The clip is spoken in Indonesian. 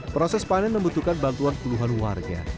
proses panen membutuhkan bantuan puluhan warga